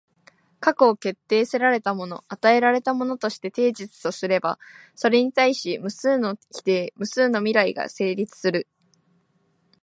過去を決定せられたもの、与えられたものとしてテージスとすれば、それに対し無数の否定、無数の未来が成立する。